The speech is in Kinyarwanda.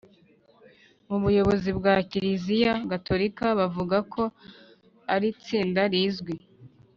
mu buyobozi bwa kiliziya gatolika bavuga ko iri tsinda rizwi